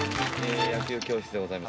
野球教室でございます。